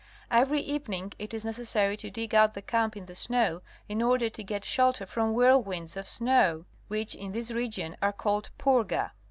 Every evening it is necessary to dig out the camp in the snow, in order to get shelter from whirlwinds of snow which in this region are called poorga.